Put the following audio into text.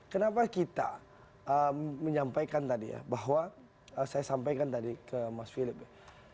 kenapa kita menyampaikan tadi ya bahwa saya sampaikan tadi ke mas filip ya